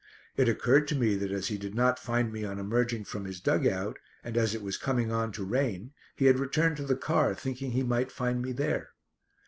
It occurred to me that as he did not find me on emerging from his dug out, and as it was coming on to rain, he had returned to the car thinking he might find me there.